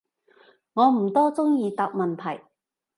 我唔多中意答問題